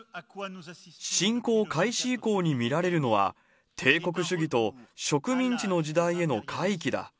侵攻開始以降に見られるのは、帝国主義と植民地の時代への回帰だ。